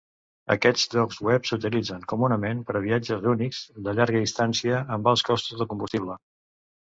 Aquests llocs web s'utilitzen comunament per a viatges únics de llarga distància amb alts costos de combustible.